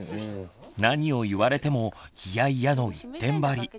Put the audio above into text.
何を言われても「イヤイヤ」の一点張り。